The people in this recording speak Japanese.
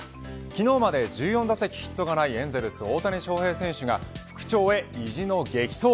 昨日まで１４打席ヒットがないエンゼルスの大谷翔平選手が復調へ意地の激走。